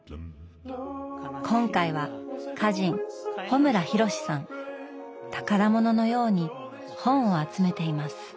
今回は宝物のように本を集めています。